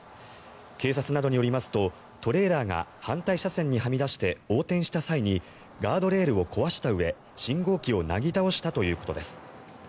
警察などによりますとトレーラーが反対車線にはみ出して横転した際にガードレールを壊したうえ信号機をなぎ倒したということです。